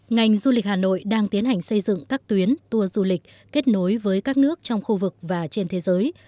ngành du lịch hà nội đang tiến hành xây dựng các tuyến tour du lịch kết nối với các nước trong khu vực và trên thế giới